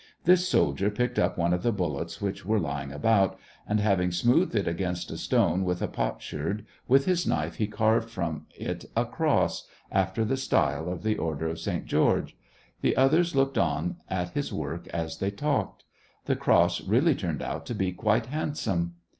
This soldier picked up one of the bullets which were lying about, and, having smoothed it against a stone with a pots herd, with his knife he carved from it a cross, after the style of the order of St. George ; the others looked on at his work as they talked. The cross really turned out to be quite handsome.